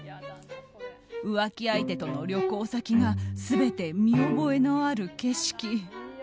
浮気相手との旅行先が全て見覚えのある景色。